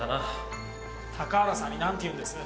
高原さんに何て言うんです？